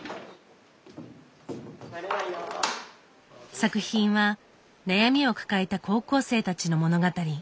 作品は悩みを抱えた高校生たちの物語。